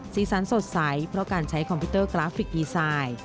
สีสันสดใสเพราะการใช้คอมพิวเตอร์กราฟิกดีไซน์